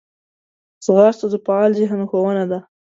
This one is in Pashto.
ځغاسته د فعال ذهن ښوونه ده